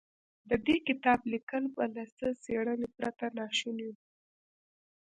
د دې کتاب ليکل به له څېړنې پرته ناشوني و.